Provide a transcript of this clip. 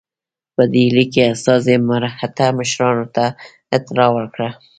په ډهلي کې استازي مرهټه مشرانو ته اطلاع ورکړه.